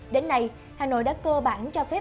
đến nay hà nội đã cơ bản cho phép hầu hết